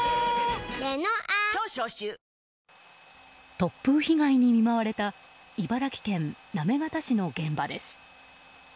突風被害に見舞われた茨城県行方市の現場です。